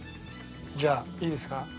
じゃあいいですか。